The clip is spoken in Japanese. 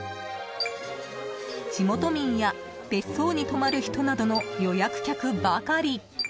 地元民や別荘に泊まる人などの予約客ばかり。